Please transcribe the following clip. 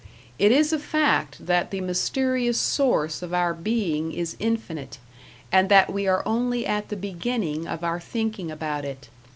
It is a fact that the mysterious Source of our being is infinite, and that we are only at the beginning of our thinking about it.